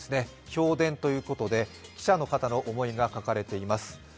評伝ということで記者の方の思いが書かれています。